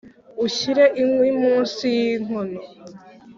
Ushyire inkwi munsi y’inkono